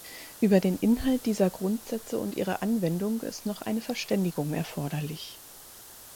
Über den Inhalt dieser Grundsätze und ihre Anwendung ist noch eine Verständigung erforderlich.